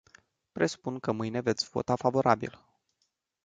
Presupun că mâine veți vota favorabil.